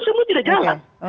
semua tidak jalan